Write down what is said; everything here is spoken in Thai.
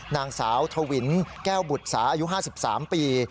นางสาวทวินแก้วบุษาอายุ๕๓ปี